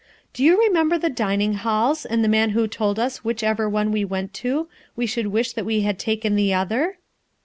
Do you remember the dining halls and the man who told us which ever one we went to we should wish that we had taken the other?"